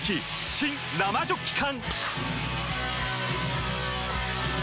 新・生ジョッキ缶！